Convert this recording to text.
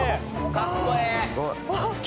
かっこええ牙